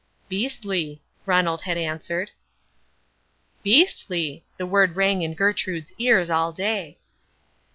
_ "Beastly," Ronald had answered. "Beastly!!" The word rang in Gertrude's ears all day.